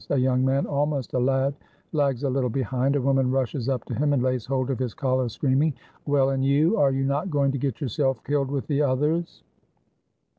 A young man, almost a lad, lags a little behind; a woman rushes up to him, and lays hold of his collar, screaming, "Well, and you! are you not going to get yourself killed with the others?"